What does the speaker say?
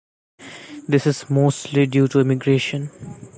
This is mostly due to emigration.